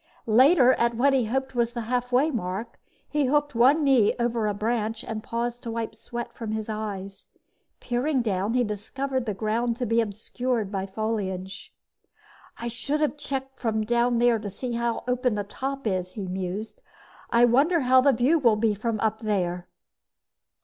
Later, at what he hoped was the halfway mark, he hooked one knee over a branch and paused to wipe sweat from his eyes. Peering down, he discovered the ground to be obscured by foliage. "I should have checked from down there to see how open the top is," he mused. "I wonder how the view will be from up there?"